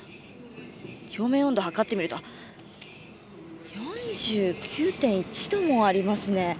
表面温度を測ってみると４９．１度もありますね。